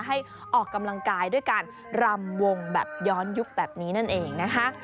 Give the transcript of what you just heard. ให้ออกกำลังกายด้วยการรำวงแบบย้อนยุคแบบนี้นั่นเองนะคะ